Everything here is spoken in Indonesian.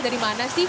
dari mana sih